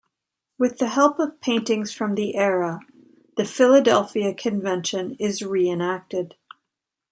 With the help of paintings from the era, the Philadelphia Convention is reenacted.